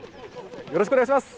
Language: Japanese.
よろしくお願いします。